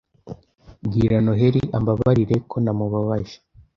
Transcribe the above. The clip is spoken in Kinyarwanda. Bwira Noheli ambabarire ko namubabaje.